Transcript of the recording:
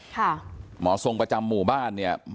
หมอทรงประจำหมู่บ้านเนี่ย